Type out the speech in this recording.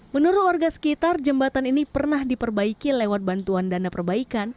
menurut warga sekitar jembatan ini pernah diperbaiki lewat bantuan dana perbaikan